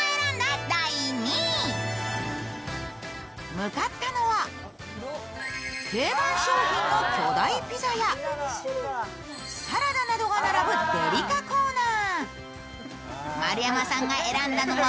向かったのは定番商品の巨大ピザやサラダなどが並ぶデリカコーナー。